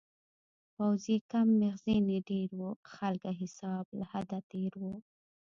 پوځ یې کم میخزن یې ډیر و-خلکه حساب له حده تېر و